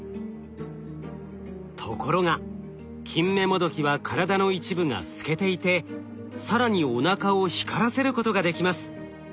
ところがキンメモドキは体の一部が透けていて更におなかを光らせることができます。